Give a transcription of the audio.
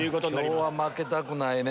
今日は負けたくないね。